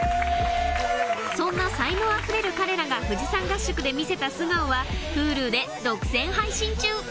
・そんな才能あふれる彼らが富士山合宿で見せた素顔はＨｕｌｕで独占配信中